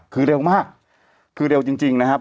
คือเร็วมากคือเร็วจริงนะครับ